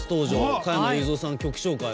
加山雄三さんの曲紹介。